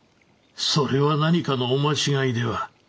それは何かのお間違いでは。